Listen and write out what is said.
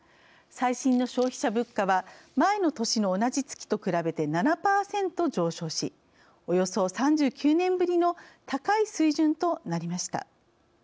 最新の消費者物価は前の年の同じ月と比べて７％上昇しおよそ３９年ぶりの高い水準となりました。